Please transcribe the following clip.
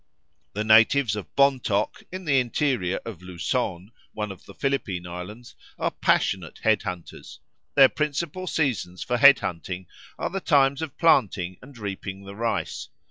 The natives of Bontoc in the interior of Luzon, one of the Philippine Islands, are passionate head hunters. Their principal seasons for head hunting are the times of planting and reaping the rice.